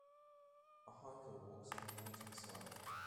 A hiker walks on a mountainside.